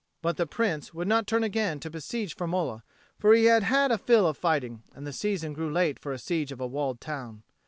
But the Prince would not turn again to besiege Firmola, for he had had a fill of fighting, and the season grew late for the siege of a walled town.